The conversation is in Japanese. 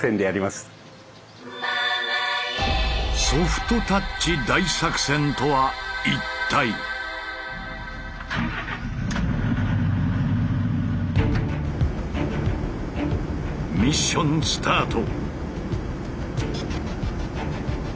ソフトタッチ大作戦とは一体⁉ミッションスタート！